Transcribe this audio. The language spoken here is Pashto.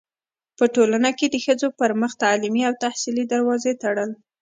پـه ټـولـه کـې د ښـځـو پـر مـخ تـعلـيمي او تحصـيلي دروازې تــړل.